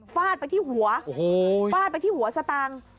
ฟาดไปที่หัวฟาดไปที่หัวสตางค์